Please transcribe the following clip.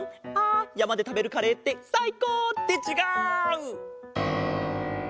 あやまでたべるカレーってさいこう！ってちがう！